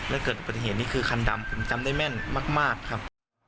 และเกิดอุบัติเหตุนี้คือคันดำผมจำได้แม่นมากครับ